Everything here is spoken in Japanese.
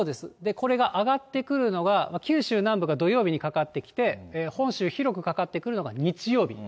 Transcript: これが上がってくるのが、九州南部が土曜日にかかってきて、本州広くかかってくるのが日曜日。